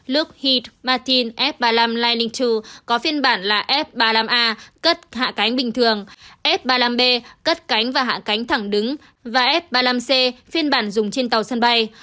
luxe martin f ba mươi năm liningtu có phiên bản là f ba mươi năm a cất hạ cánh bình thường s ba mươi năm b cất cánh và hạ cánh thẳng đứng và f ba mươi năm c phiên bản dùng trên tàu sân bay